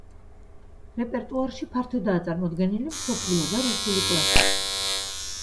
რეპერტუარში ფართოდაა წარმოდგენილი მსოფლიო და რუსული კლასიკა.